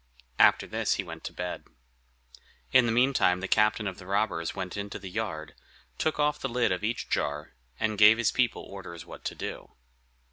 After this he went to bed. In the meantime the captain of the robbers went into the yard, took off the lid of each jar, and gave his people orders what to do.